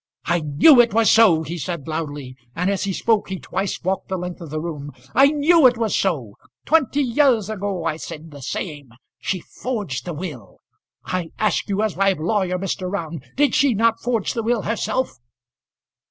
"I knew it was so," he said loudly, and as he spoke he twice walked the length of the room. "I knew it was so; twenty years ago I said the same. She forged the will. I ask you, as my lawyer, Mr. Round, did she not forge the will herself?"